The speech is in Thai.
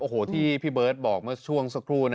โอ้โหที่พี่เบิร์ตบอกเมื่อช่วงสักครู่